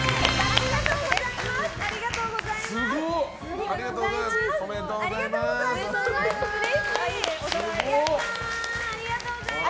ありがとうございます！